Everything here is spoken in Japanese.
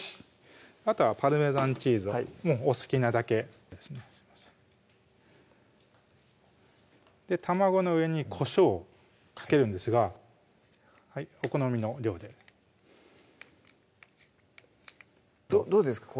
あとはパルメザンチーズをお好きなだけですね卵の上にこしょうをかけるんですがお好みの量でどうですか？